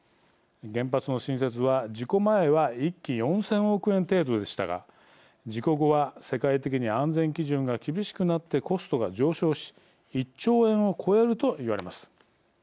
原発の新設は、事故前は１基、４０００億円程度でしたが事故後は世界的に安全基準が厳しくなってコストが上昇し１兆円を超えると言われます。